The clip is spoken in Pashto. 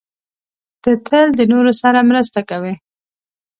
ته تل د نورو سره مرسته کوې.